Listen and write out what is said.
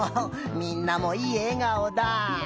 みんなもいいえがおだ。